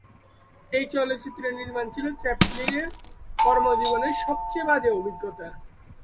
এই চলচ্চিত্র নির্মাণ ছিল চ্যাপলিনের কর্মজীবনের সবচেয়ে বাজে অভিজ্ঞতা।